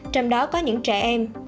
trong đó có những trẻ em